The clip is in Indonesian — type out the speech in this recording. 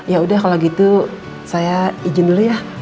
ya udah kalau gitu saya izin dulu ya